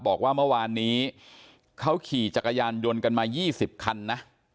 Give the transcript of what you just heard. บอกว่าเมื่อวานนี้เขาขี่จักรยานยนต์กันมา๒๐คันนะ